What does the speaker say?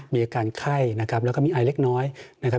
มีอาการไข้นะครับแล้วก็มีไอเล็กน้อยนะครับ